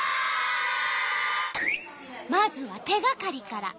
まずは手がかりから。